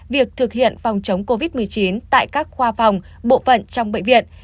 việc thực hiện phòng chống covid một mươi chín tại các khoa phòng bộ phận trong bệnh viện